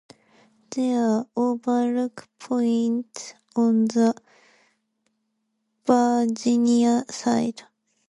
There are overlook points on the Virginia side.